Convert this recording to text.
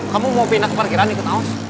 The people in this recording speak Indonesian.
kamu mau pindah ke parkiran nih ken aus